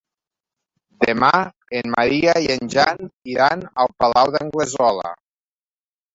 Demà en Maria i en Jan iran al Palau d'Anglesola.